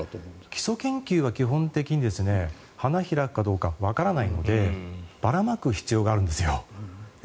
基礎研究は基本的に花開くかわからないのでばらまく必要があるんですよ。